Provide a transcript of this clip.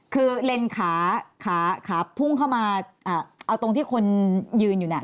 คือเลนขาขาขาพุ่งเข้ามาเอาตรงที่คนยืนอยู่น่ะ